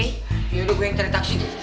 yaudah gue yang tarik taksi dulu